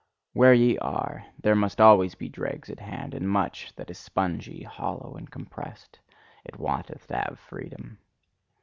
Where ye are, there must always be dregs at hand, and much that is spongy, hollow, and compressed: it wanteth to have freedom.